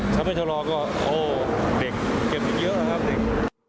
ถ้าไม่ชะลอก็โอ้เด็กเจ็บอีกเยอะแล้วครับเด็ก